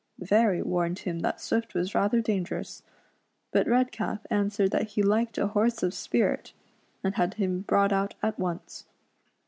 The fairy warned him that Swift was rather dangerous, but Redcap answered that he liked a horse of spirit, and had him brought out at once.